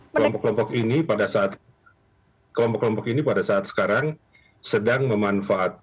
kelompok kelompok ini pada saat sekarang sedang memanfaatkan wilayah yang sangat luas kelompok kelompok ini pada saat sekarang sedang memanfaatkan wilayah yang sangat luas